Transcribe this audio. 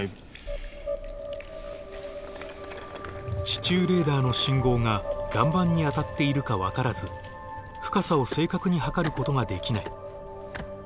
地中レーダーの信号が岩盤に当たっているか分からず深さを正確に測ることができない。